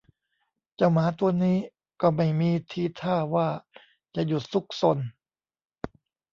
เจ้าหมาตัวนี้ก็ไม่มีทีท่าว่าจะหยุดซุกซน